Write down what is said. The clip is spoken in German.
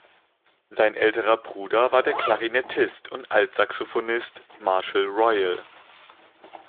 Sein älterer Bruder war der Klarinettist und Altsaxophonist Marshall Royal.